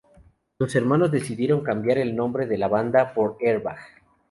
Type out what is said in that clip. Los hermanos decidieron cambiar el nombre de la banda por Airbag.